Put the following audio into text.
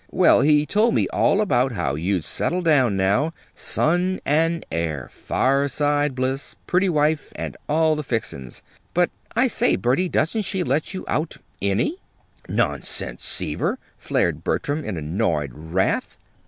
Well, he told me all about how you'd settled down now son and heir, fireside bliss, pretty wife, and all the fixings. But, I say, Bertie, doesn't she let you out any?" "Nonsense, Seaver!" flared Bertram in annoyed wrath.